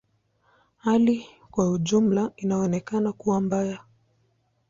Hali kwa ujumla inaonekana kuwa mbaya.